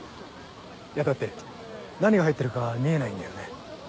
いやだって何が入ってるか見えないんだよね？